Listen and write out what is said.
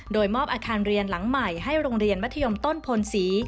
โดยมอบอาคารเรียนหลังใหม่ให้โรงเรียนมัธยมต้นพลศรี